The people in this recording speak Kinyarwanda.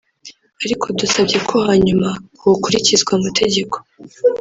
ariko dusabye ko hanyuma hokurikizwa amategeko